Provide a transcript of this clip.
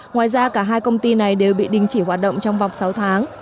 ngoài ra cả hai công ty này đều bị đình chỉ hoạt động trong vòng sáu tháng